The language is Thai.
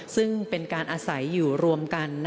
ซึ่งเป็นการอาศัยอยู่รวมกัน